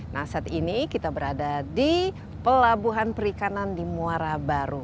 nah saat ini kita berada di pelabuhan perikanan di muara baru